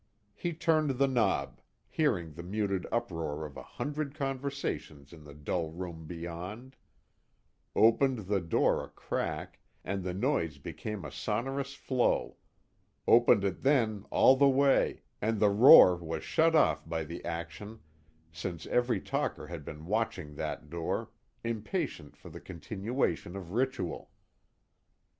He turned the knob, hearing the muted uproar of a hundred conversations in the dull room beyond; opened the door a crack, and the noise became a sonorous flow; opened it then all the way, and the roar was shut off by the action, since every talker had been watching that door, impatient for the continuation of ritual.